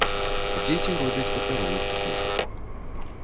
Дзеці робяць папяровых птушак.